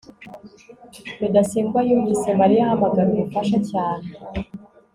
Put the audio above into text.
rudasingwa yumvise mariya ahamagara ubufasha cyane